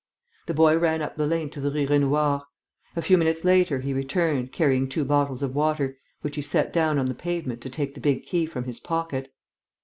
The boy ran up the lane to the Rue Raynouard. A few minutes later he returned, carrying two bottles of water, which he set down on the pavement to take the big key from his pocket.